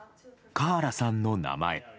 カーラさんの名前。